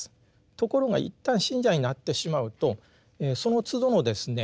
ところが一旦信者になってしまうとそのつどのですね